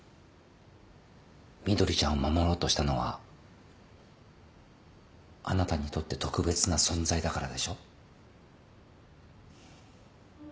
碧ちゃんを守ろうとしたのはあなたにとって特別な存在だからでしょ。